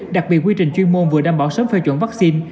đặc biệt quy trình chuyên môn vừa đảm bảo sớm phê chuẩn vaccine